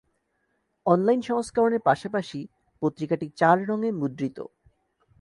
Online সংস্করণের পাশাপাশি পত্রিকাটি চার রঙে মুদ্রিত।